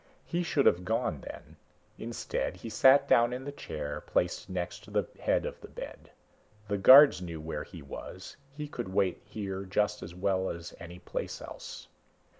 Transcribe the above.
He should have gone then; instead, he sat down in the chair placed next to the head of the bed. The guards knew where he was he could wait here just as well as any place else.